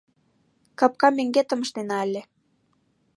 Капка меҥгетым ыштена ыле.